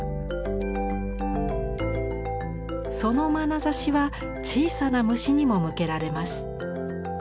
そのまなざしは小さな虫にも向けられます。